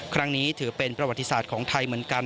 ครั้งนี้ถือเป็นประวัติศาสตร์ของไทยเหมือนกัน